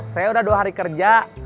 saya udah dua hari kerja